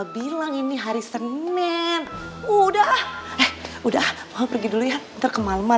buat nama serigala